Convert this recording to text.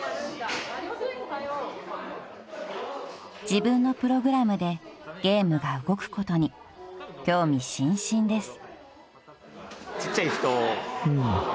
［自分のプログラムでゲームが動くことに興味津々です］